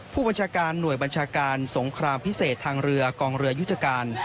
ผู้บัญชาการหน่วยบัญชาการสงครามพิเศษทางเรือกองเรือยุทธการ